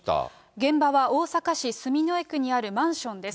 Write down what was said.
現場は大阪市住之江区にあるマンションです。